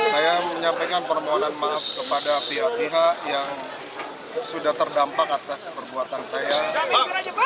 saya menyampaikan permohonan maaf kepada pihak pihak yang sudah terdampak atas perbuatan saya